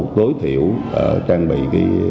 tối thiểu trang bị